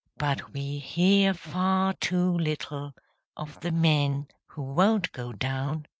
But we hear far too little Of the men who won't go down.